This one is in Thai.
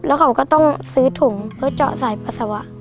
แล้วเขาก็ต้องซื้อถุงเพื่อเจาะสายปัสสาวะ